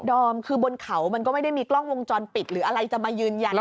อมคือบนเขามันก็ไม่ได้มีกล้องวงจรปิดหรืออะไรจะมายืนยัน